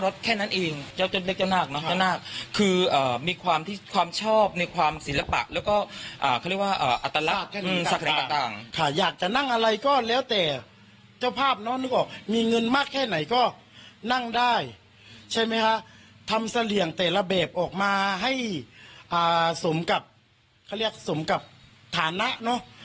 เสรียงแต่ละแบบออกมาให้สมกับสมกับฐานะเนาะ